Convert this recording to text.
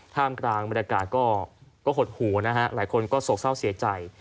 ท่ามกลางบรรยากาศก็หดหูนะฮะหลายคนก็โศกเศร้าเสียใจ